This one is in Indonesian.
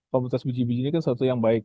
komunitas biji bijinya kan satu yang baik